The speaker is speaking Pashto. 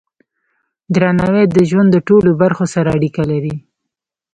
درناوی د ژوند د ټولو برخو سره اړیکه لري.